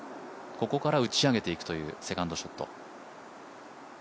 ここから打ち上げていくというセカンドショット。